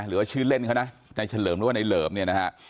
หรือว่าชื่อเล่นเขานะในเฉลิมหรือว่าในเหลิมเนี่ยนะฮะ